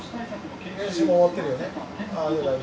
研修も終わってるよね？